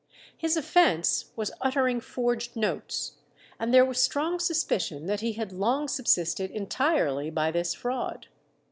His offence was uttering forged notes, and there was strong suspicion that he had long subsisted entirely by this fraud.